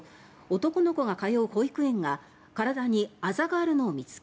警察によりますと男の子が通う保育園が体にあざがあるのを見つけ